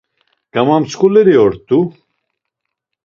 Gamamtzǩuleri ort̆u.